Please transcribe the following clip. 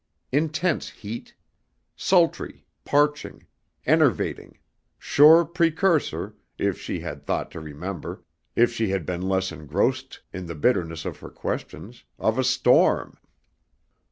Intense heat. Sultry, parching, enervating, sure precursor, if she had thought to remember, if she had been less engrossed in the bitterness of her questionings, of a storm.